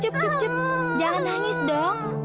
cep cep cep jangan nangis dok